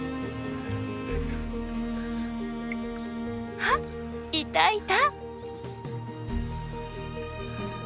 あっいたいた！